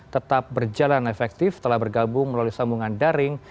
tetap berjalan efektif telah bergabung melalui sambungan daring